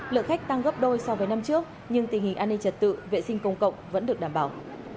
lượng khách tăng gấp đôi so với năm trước nhưng tình hình an ninh trật tự vệ sinh công cộng vẫn được đảm bảo